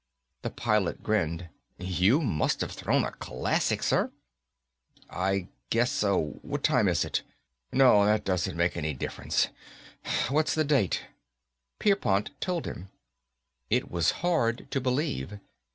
The pilot grinned. "You must've thrown a classic, sir." "I guess so. What time is it? No, that doesn't make any difference. What's the date?" Pierpont told him. It was hard to believe.